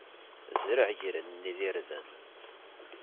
Zreɛ igran-nni d irden.